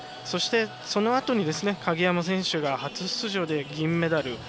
そして、そのあとに鍵山選手が初出場で銀メダル。